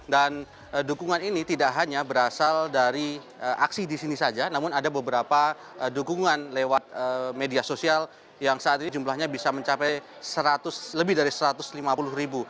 dan dukungan ini tidak hanya berasal dari aksi di sini saja namun ada beberapa dukungan lewat media sosial yang saat ini jumlahnya bisa mencapai lebih dari satu ratus lima puluh ribu